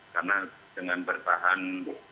karena dengan bertahan